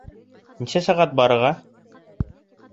Нисә сәғәт барырға?